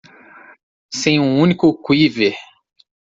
Sem um único quiver.